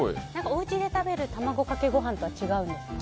おうちで食べる卵かけご飯とは違うんですか？